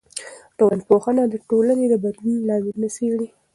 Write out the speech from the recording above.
ټولنپوهنه د ټولنې د بدلون لاملونه څېړي.